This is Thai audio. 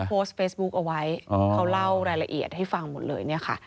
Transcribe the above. โพสต์เฟซบุ๊คเอาไว้เขาเล่ารายละเอียดให้ฟังหมดเลยเนี่ยค่ะ